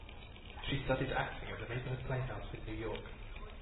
She studied acting at the Neighborhood Playhouse in New York.